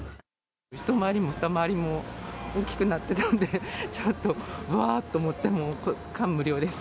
一回りも二回りも大きくなってたんで、ちょっとわーっと思って、もう感無量です。